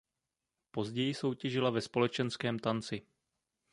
Později soutěžila ve společenském tanci.